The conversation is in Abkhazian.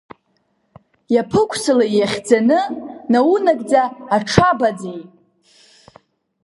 Иаԥықәсылеи иахьӡаны, наунагӡа аҽабаӡеи?